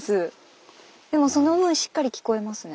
でもその分しっかり聞こえますね。